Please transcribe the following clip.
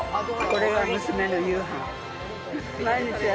これは娘の夕飯。